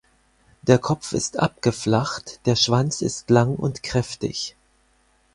Der Kopf ist abgeflacht, der Schwanz ist lang und kräftig.